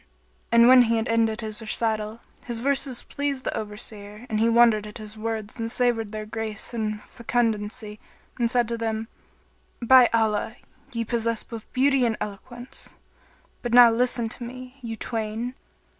And when he had ended his recital, his verses pleased the Overseer and he wondered at his words and savoured their grace and fecundity and said to them, "By Allah, ye possess both beauty and eloquence. But now listen to me, you twain!"